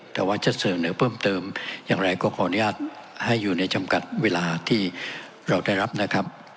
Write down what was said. แต่ว่าจะเสนอเพิ่มเติมอย่างไรก็ขออนุญาตให้อยู่ในจำกัดเวลาที่เราได้รับนะครับ